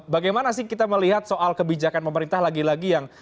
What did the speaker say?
bagaimana sih kita melihat soal kebijakan pemerintah lagi lagi yang